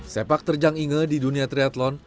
sepak terjang inge di dunia triathlon